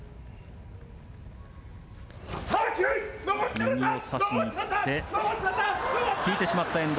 右を差しに行って、引いてしまった遠藤。